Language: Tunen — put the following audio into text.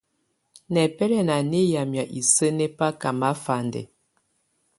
Nɛbɛlɛna nɛ̀ yamɛ̀́á isǝ́ nɛ̀ baka mafandɛ.